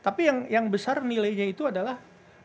tapi yang besar nilainya itu adalah